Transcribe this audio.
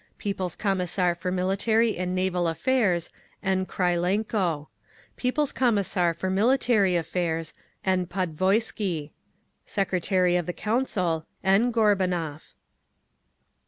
People's Commissar for Military and Naval Affairs, N. KRYLENKO. People's Commissar for Military Affairs, N. PODVOISKY. Secretary of the Council, N. GORBUNOV.